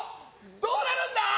どうなるんだ？